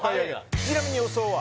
ちなみに予想は？